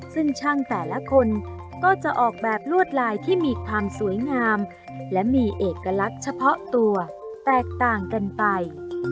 ซึ่งช่างแต่ละคนก็จะออกแบบลวดลายที่มีความสวยงามและมีเอกลักษณ์เฉพาะตัวแตกต่างกันไป